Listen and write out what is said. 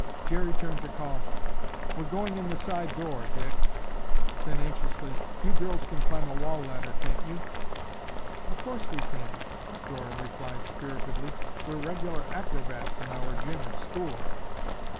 Jerry turned to call, "We're going in the side door, Dick." Then anxiously, "You girls can climb a wall ladder, can't you?" "Of course we can," Dora replied spiritedly. "We're regular acrobats in our gym at school."